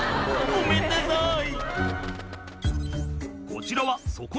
「ごめんなさい」